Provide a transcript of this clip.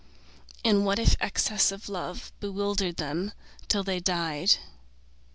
And what if excess of love Bewildered them till they died?